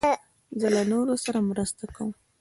زه له نورو سره مرسته کوم.